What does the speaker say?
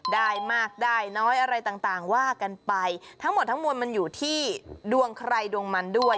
ได้มากได้น้อยอะไรต่างว่ากันไปทั้งหมดทั้งมวลมันอยู่ที่ดวงใครดวงมันด้วย